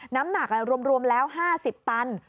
น้ำหนักรวมแล้ว๕๐ตัน